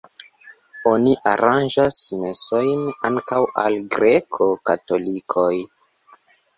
Oni aranĝas mesojn ankaŭ al greko-katolikoj.